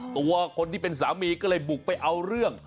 ตัวคนที่เป็นสามีก็เลยบุกไปเอาเรื่อง